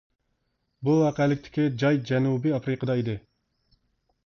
بۇ ۋەقەلىكتىكى جاي جەنۇبىي ئافرىقىدا ئىدى.